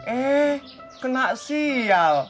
eh kena sial